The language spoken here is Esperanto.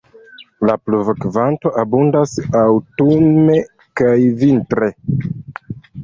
La pluvokvanto abundas aŭtune kaj vintre.